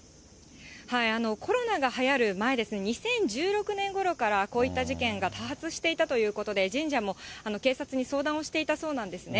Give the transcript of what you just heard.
コロナがはやる前ですね、２０１６年ごろから、こういった事件が多発していたということで、神社も警察に相談をしていたそうなんですね。